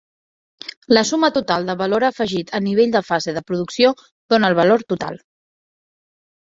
La suma total de valor afegit a nivell de fase de producció dona el valor total.